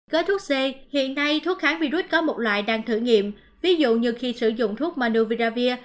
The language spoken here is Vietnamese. gói thuốc c hiện nay thuốc kháng virus có một loại đang thử nghiệm ví dụ như khi sử dụng thuốc manovida